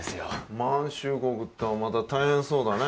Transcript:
満州国ったあまた大変そうだね